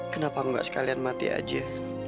kenapa enggak sekalian mati aja